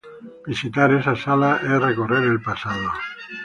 Visitar esas salas es recorrer el pasado.